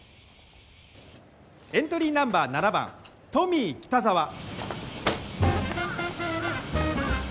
エントリーナンバー７番トミー北沢。